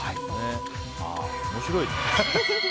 面白いね。